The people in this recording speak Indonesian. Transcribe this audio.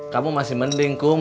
kamu masih mending kum